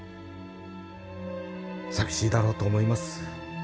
寂しいだろうと思います